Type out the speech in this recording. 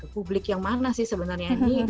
publik yang mana sih sebenarnya